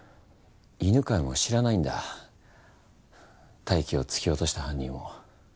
犬飼も知らないんだ泰生を突き落とした犯人を。